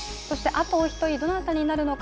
あと、お一人どなたになるのか。